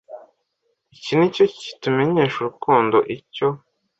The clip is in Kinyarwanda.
Iki nicyo kitumenyesha urukundo icyo